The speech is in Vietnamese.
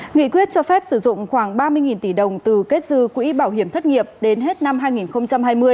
nghị quyết cho phép sử dụng khoảng ba mươi tỷ đồng từ kết dư quỹ bảo hiểm thất nghiệp đến hết năm hai nghìn hai mươi